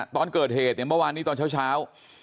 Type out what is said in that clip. ตอนเกิดเหตุเนี่ยเมื่อวานนี้ตอนเช้า